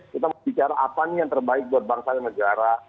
kita mau bicara apa nih yang terbaik buat bangsa dan negara